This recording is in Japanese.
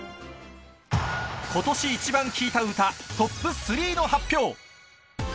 今年イチバン聴いた歌、トップ３位の発表。